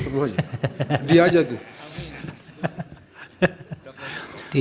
belum haji dia aja tuh